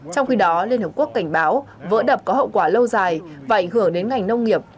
trong khi đó liên hợp quốc cảnh báo vỡ đập có hậu quả lâu dài và ảnh hưởng đến ngành nông nghiệp